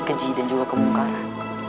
keji dan juga kemukaran